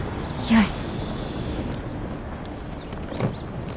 よし。